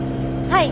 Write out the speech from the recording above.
はい！